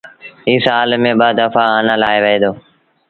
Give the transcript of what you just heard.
اي سآل ميݩ ٻآ دڦآ آنآ لآوهيݩ دآ